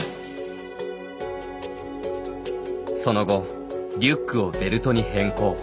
その後、リュックをベルトに変更。